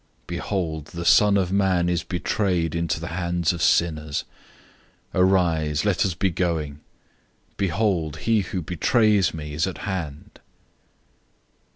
Behold, the Son of Man is betrayed into the hands of sinners. 014:042 Arise, let us be going. Behold, he who betrays me is at hand."